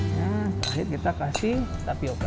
nah terakhir kita kasih tapioca